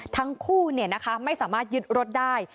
ทั้งคู่ไม่สามารถยึดรถได้